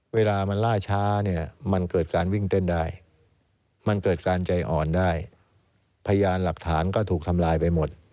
เวลามันล่าช้าเนี่ยมันเกิดการวิ่งเต้นได้มันเกิดการใจอ่อนได้พยานหลักฐานก็ถูกทำลายไปหมด